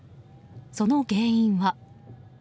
その原因は。